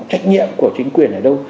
trách nhiệm của chính quyền ở đâu